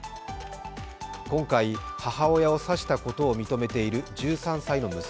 今回、母親を刺したことを認めている１３歳の娘。